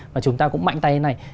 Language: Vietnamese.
và chúng ta cũng mạnh tay thế này